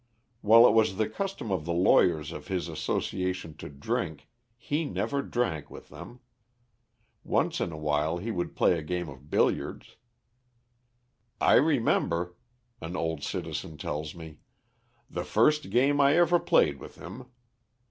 While it was the custom of the lawyers of his association to drink, he never drank with them. Once in a while he would play a game of billiards. "I remember" an old citizen tells me, "the first game I ever played with him.